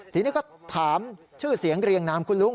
ทีนี้ก็ถามชื่อเสียงเรียงนามคุณลุง